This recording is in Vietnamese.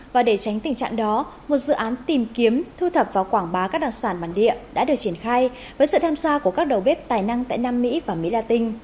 và để tránh tình trạng đó một dự án tìm kiếm thu thập và quảng bá các đặc sản bản địa đã được triển khai với sự tham gia của các đầu bếp tài năng tại nam mỹ và mỹ la tinh